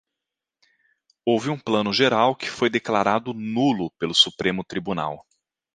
Houve um Plano Geral que foi declarado nulo pelo Supremo Tribunal.